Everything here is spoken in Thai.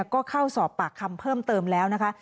ก็เข้าสอบปากคำเพิ่มเติมแล้วนะคะ